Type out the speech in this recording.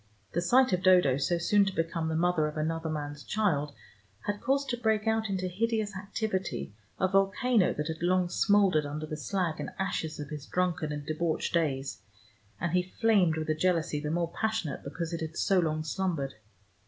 The sight of Dodo so soon to become the mother of another man's child had caused to break out into hideous activity a volcano that had long smoldered under the slag and ashes of his drunken and debauched days, and he flamed with a jealousy the more passionate because it had so long slumbered.